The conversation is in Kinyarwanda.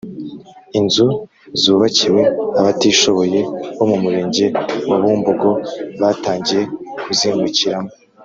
inzu zubakiwe abatishoboye bo mumurenge wa bumbogo batangiye kuzimukiramo